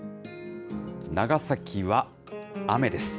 長崎は雨です。